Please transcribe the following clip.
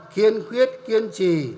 kiên khuyết kiên trì